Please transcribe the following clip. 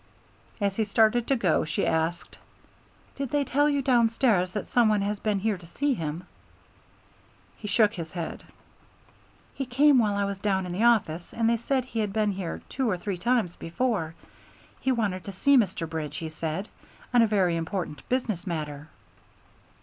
As he started to go, she asked, "Did they tell you downstairs that some one had been here to see him?" He shook his head. "He came while I was down in the office, and they said he had been here two or three times before. He wanted to see Mr. Bridge, he said, on a very important business matter."